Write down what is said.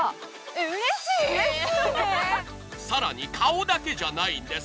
さらに顔だけじゃないんです。